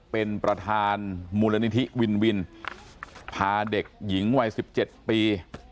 เป็นประธานมูลนิธิวินวินพาเด็กหญิงวัย๑๗ปี